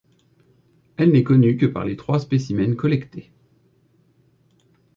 Elle n'est connue que par les trois spécimens collectés.